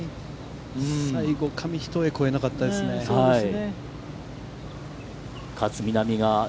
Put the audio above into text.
最後、紙一重、越えなかったですね。